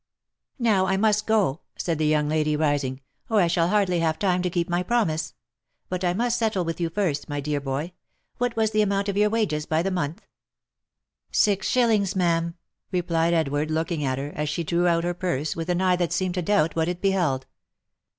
" Now I must go !" said the young lady, rising, " or I shall hardly have time to keep my promise. But I must settle with you first, my dear boy. What was the amount of your wages by the month ?"" Six shillings, ma'am," replied Edward, looking at her, as she drew out her purse, with an eye that seemed to doubt what it beheld.